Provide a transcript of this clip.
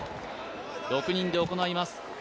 ６人で行います。